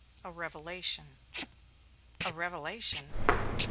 A revelation." "A revelation!"